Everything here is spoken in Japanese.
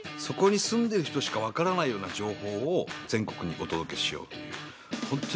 そこに住んでいる人しかわからないような情報を全国にお届けしようという。